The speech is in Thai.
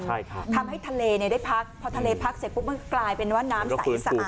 ใช่ครับทำให้ทะเลเนี่ยได้พักพอทะเลพักเสร็จปุ๊บมันกลายเป็นว่าน้ำใสสะอาด